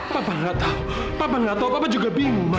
papa nggak tahu papa nggak tahu papa juga bingung ma